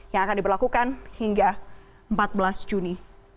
yang akan diberlakukan hingga empat belas juni dua ribu dua puluh